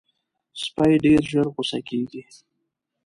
سپي ډېر ژر غصه کېږي.